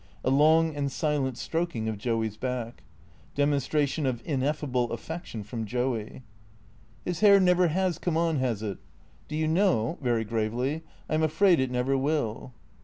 A long and silent stroking of Joey's back. Demonstration of ineffable affection from Joey.) "His hair never has come on, has it? Do you know" (very gravely), " I 'm afraid it never will."